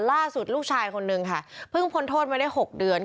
ล่าสุดลูกชายคนนึงค่ะเพิ่งพ้นโทษมาได้๖เดือน